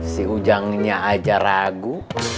si ujangnya aja ragu